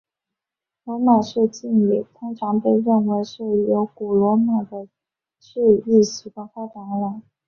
罗马式敬礼通常被认为是由古罗马的致意习惯发展而来。